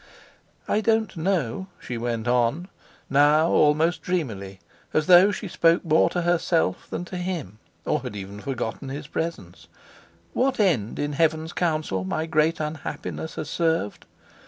"I don't know," she went on, now almost dreamily, and as though she spoke more to herself than to him, or had even forgotten his presence, "what end in Heaven's counsel my great unhappiness has served.